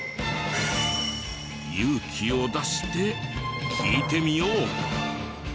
勇気を出して聞いてみよう。